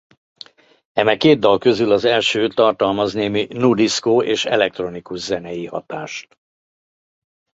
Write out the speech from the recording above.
Eme két dal közül az első tartalmaz némi nu-diszkó és elektronikus zenei hatást.